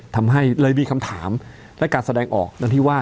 ทำให้เลยมีคำถามและการแสดงออกดังที่ว่า